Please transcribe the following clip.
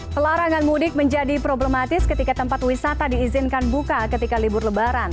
pelarangan mudik menjadi problematis ketika tempat wisata diizinkan buka ketika libur lebaran